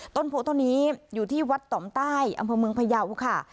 ต้นโพต้นนี้อยู่ที่วัดต่อมใต้อำเภอเมืองพยาวค่ะ